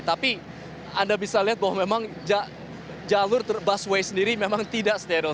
tapi anda bisa lihat bahwa memang jalur busway sendiri memang tidak steril